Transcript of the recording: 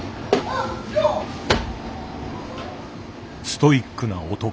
「ストイックな男」。